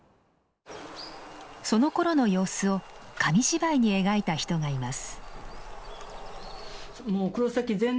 そのころの様子を紙芝居に描いた人がいます。